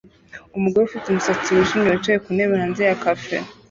umugore ufite umusatsi wijimye wicaye ku ntebe hanze ya cafe